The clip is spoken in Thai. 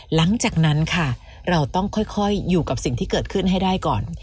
หลังจากนั้นค่ะเราต้องค่อยอยู่กับสิ่งที่เกิดขึ้นให้ได้ก่อน